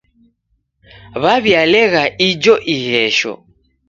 Waw'ialegha ijo ighesho.